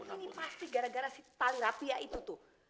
ini pasti gara gara si tali rapi ya itu tuh